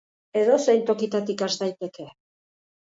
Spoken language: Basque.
Edozein tokitatik has daiteke.